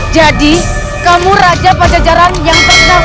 jadi kamu raja penjajaran yang terkenal